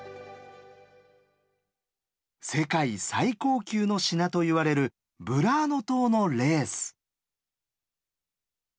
世界最高級の品といわれるブラーノ島のレース。